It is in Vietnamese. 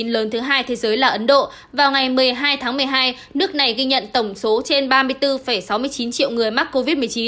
lớn thứ hai thế giới là ấn độ vào ngày một mươi hai tháng một mươi hai nước này ghi nhận tổng số trên ba mươi bốn sáu mươi chín triệu người mắc covid một mươi chín